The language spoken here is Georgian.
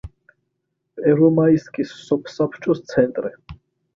პერვომაისკის სოფსაბჭოს ცენტრი.